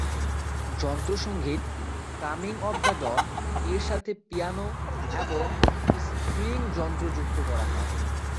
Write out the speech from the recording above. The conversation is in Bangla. যন্ত্রসঙ্গীত "কামিং অব দ্য ডন" এর সাথে পিয়ানো এবং স্ট্রিং যন্ত্র যুক্ত করা হয়।